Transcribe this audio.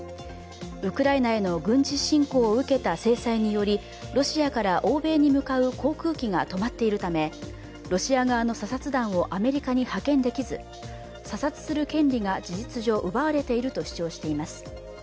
ウクライナへの軍事侵攻を受けた制裁によりロシアから欧米に向かう航空機が止まっているためロシア側の査察団をアメリカに派遣できず、査察する権利が事実上、奪われていると主張しています。